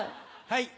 はい。